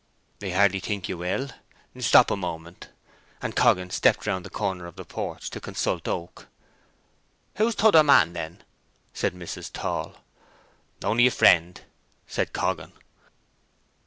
"I hardly think you will. Stop a moment;" and Coggan stepped round the corner of the porch to consult Oak. "Who's t'other man, then?" said Mrs. Tall. "Only a friend," said Coggan.